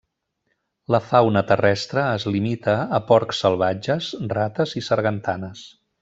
La fauna terrestre es limita a porcs salvatges, rates i sargantanes.